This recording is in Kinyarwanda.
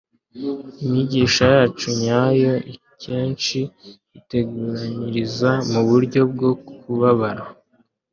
imigisha yacu nyayo akenshi itugaragariza muburyo bwo kubabara